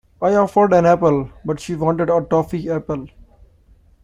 I offered an apple, but she wanted a toffee apple.